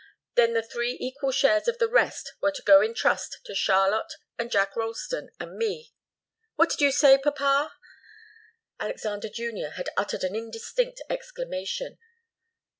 Then the three equal shares of the rest were to go in trust to Charlotte and Jack Ralston and me what did you say, papa?" Alexander Junior had uttered an indistinct exclamation.